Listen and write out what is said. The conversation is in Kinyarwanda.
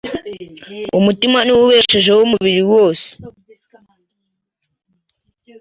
Umutima niwo ubeshejeho umubiri wose